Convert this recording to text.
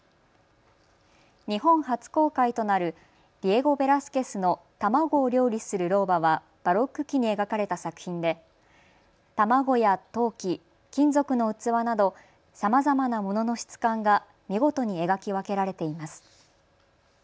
日本初公開となるディエゴ・ベラスケスの卵を料理する老婆はバロック期に描かれた作品で卵や陶器、金属の器などさまざまな物の質感が見事に描き分けられています。